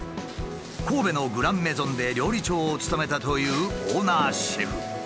神戸のグランメゾンで料理長を務めたというオーナーシェフ。